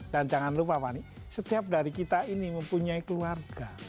dan jangan lupa pak ani setiap dari kita ini mempunyai keluarga